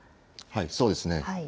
そうですね。